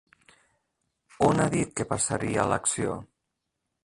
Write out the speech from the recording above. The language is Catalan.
On ha dit que passaria a l'acció?